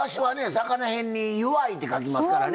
魚へんに弱いって書きますからね。